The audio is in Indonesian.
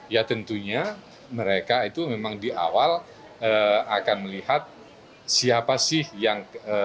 ya tentunya mereka itu memang di awal akan melihat siapa sih yang